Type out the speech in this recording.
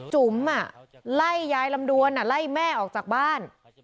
จุ๋มไล่ยายลำดวนไล่แม่ออกจากบ้าน